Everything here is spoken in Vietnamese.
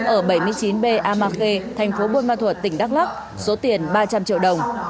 ở bảy mươi chín b ama khê thành phố buôn ma thuật tỉnh đắk lắc số tiền ba trăm linh triệu đồng